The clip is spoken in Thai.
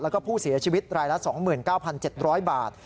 แล้วก็ผู้เสียชีวิตรายละ๒๙๗๐๐บาท